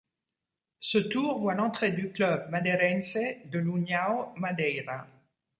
Ce tour voit l'entrée du club madeirense de l'União Madeira.